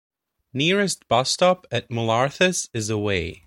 Nearest bus stop at Mollarthes is away.